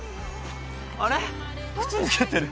あれ靴脱げてる。